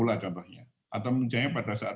olahraganya atau misalnya pada saat